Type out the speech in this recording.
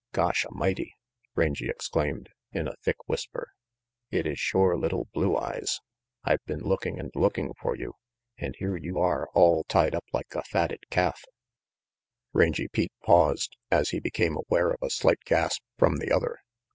"Gosh A'mighty!" Rangy exclaimed, in a thick whisper. "It is shore little Blue Eyes. I've been looking and looking for you, and here you are all tied up like a fatted calf Rangy Pete paused, as he became aware of a slight gasp from the other.